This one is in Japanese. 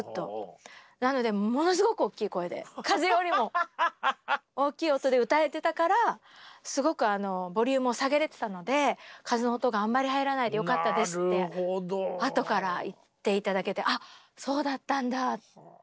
なのでものすごく大きい声で風よりも大きい音で歌えてたからすごくボリュームを下げれてたので風の音があんまり入らないでよかったですってあとから言って頂けてあっそうだったんだって。